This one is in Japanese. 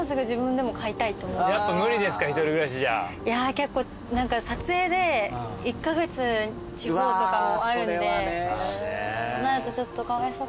結構撮影で１カ月地方とかもあるんでそうなるとちょっとかわいそうかなっていう。